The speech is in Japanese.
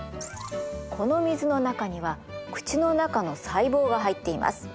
この水の中には口の中の細胞が入っています。